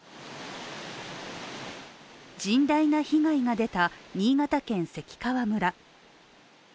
甚大な被害が出た新潟県関川村。